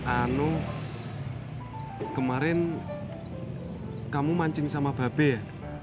anu kemarin kamu mancing sama babe ya